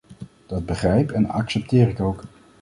Dat begrijp en accepteer ik ook.